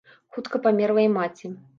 Хутка памерла і маці.